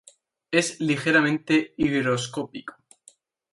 Es ligeramente higroscópico.